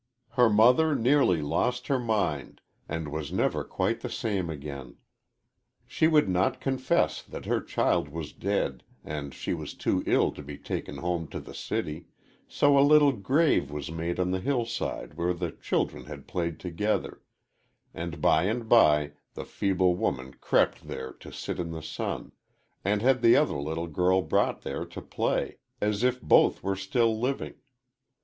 Her mother nearly lost her mind, and was never quite the same again. She would not confess that her child was dead, and she was too ill to be taken home to the city, so a little grave was made on the hillside where the children had played together, and by and by the feeble woman crept there to sit in the sun, and had the other little girl brought there to play, as if both were still living.